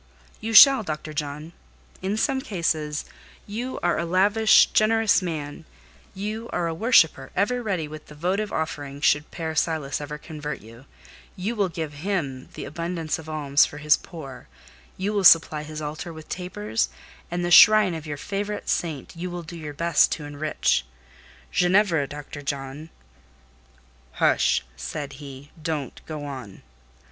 "You shall, Dr. John. In some cases, you are a lavish, generous man: you are a worshipper ever ready with the votive offering should Père Silas ever convert you, you will give him abundance of alms for his poor, you will supply his altar with tapers, and the shrine of your favourite saint you will do your best to enrich: Ginevra, Dr. John—" "Hush!" said he, "don't go on."